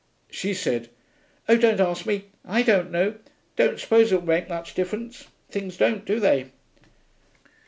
She said, 'Oh, don't ask me. I don't know. Don't suppose it will make much difference. Things don't, do they?'